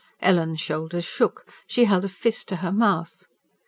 Ellen's shoulders shook; she held a fist to her mouth.